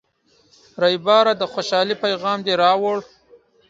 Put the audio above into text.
ریبراه، د خوشحالۍ پیغام دې راوړ.